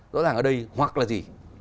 rõ ràng ở đây hoặc là gì